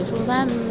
là một phương pháp